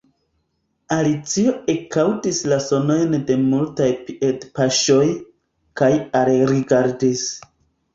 Alicio ekaŭdis la sonojn de multaj piedpaŝoj, kaj alrigardis.